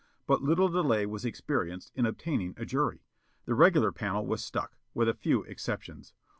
But little delay was experienced in obtaining a jury. The regular panel was stuck, with a few exceptions.